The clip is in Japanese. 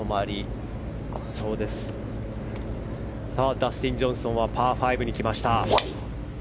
ダスティン・ジョンソンはパー５に来ました。